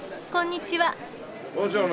こんにちは。